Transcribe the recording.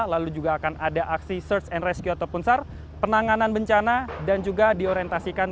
lalu juga akan ada aksi search and rescue ataupun sar penanganan bencana dan juga diorientasikan